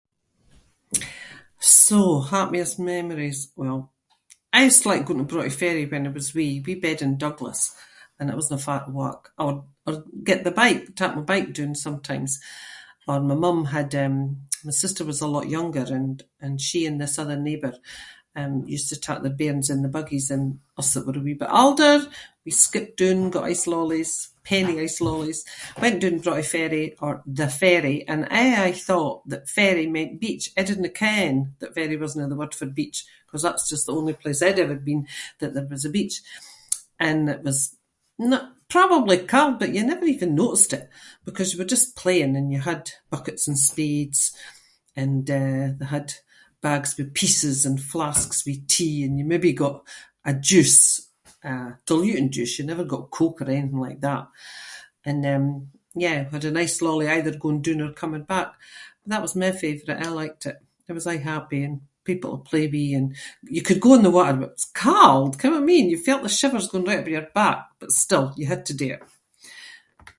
So happiest memories. Well, I used to like going to Broughty Ferry when I was wee. We bed in Douglas and it wasnae far to walk or- or get the bike- take my bike doon sometimes. Or and my mum had, um- my sister was a lot younger and- and she and this other neighbour, um, used to take their bairns in the buggies and us that were a wee bit older- we skipped doon, got ice lollies- penny ice lollies, went doon to Broughty Ferry or The Ferry and I aie thought that ferry meant beach. I didnae ken that ferry wasnae the word for beach ‘cause that’s just the only place I’d ever been that there was a beach. And it was n- probably cold but you never even noticed it because you were just playing and you had buckets and spades and, uh, they had bags with pieces and flasks with tea and you maybe got a juice, eh, diluting juice- you never got Coke or anything like that. And um, yeah, we had an ice lolly either going doon or coming back and that was my favourite. I liked it. It was aie happy and people to play with and you could go in the water but it was cold! Ken what I mean? You felt the shivers going right over your back but still, you had to do it.